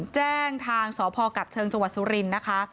แจ้งทางสอเปราะกับเชิงจักรวจสุรินทร์